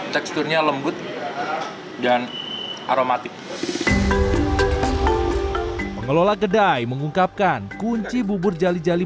teksturnya lembut dan aromatik pengelola kedai mengungkapkan kunci bubur jali jali